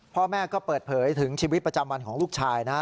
พ่อแม่ก็เปิดเผยถึงชีวิตประจำวันของลูกชายนะ